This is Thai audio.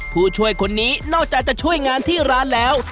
ผู้ช่วยคนนี้นอกจากจะช่วยงานที่ร้านแล้ว